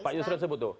pak yusril sebut tuh